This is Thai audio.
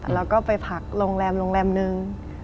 แล้วก็ไปพักโรงแรมโรงแรมนึง